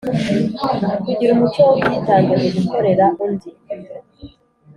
kugira umuco w ubwitange mu gukorera undi